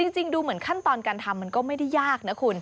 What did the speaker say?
จริงดูเหมือนขั้นตอนการทำมันก็ไม่ได้ยากนะคุณ